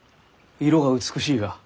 色が美しいが。